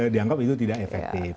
dianggap itu tidak efektif